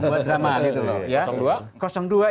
buat drama gitu loh ya